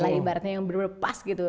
cari ibaratnya yang bener bener pas gitu